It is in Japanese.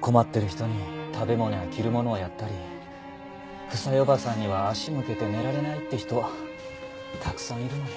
困ってる人に食べ物や着るものをやったり房枝おばさんには足向けて寝られないって人たくさんいるのに。